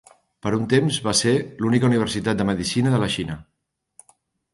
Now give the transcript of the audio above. Per un temps va ser la única universitat de medicina de la Xina.